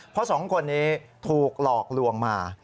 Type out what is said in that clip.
เพราะสองคนนี้ถูกหลอกลวงมา